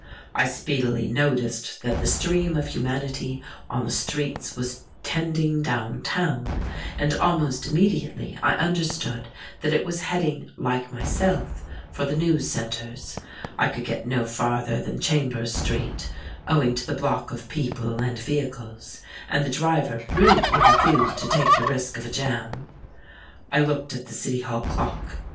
I speedily noticed that the stream of humanity on the streets was tending down town, and almost immediately I understood that it was heading, like myself, for the news centers. I could get no farther than Chambers Street, owing to the block of people and vehicles, and the driver rudely refused to take the risk of a jam. I looked at the City Hall clock.